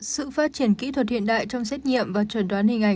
sự phát triển kỹ thuật hiện đại trong xét nghiệm và chuẩn đoán hình ảnh